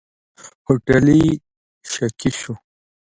هوټلي شکي شو.